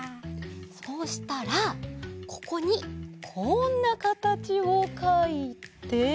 そうしたらここにこんなかたちをかいて。